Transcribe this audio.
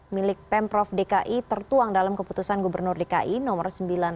milik pemprov dki tertuang dalam keputusan gubernur dki nomor sembilan ratus tujuh puluh sembilan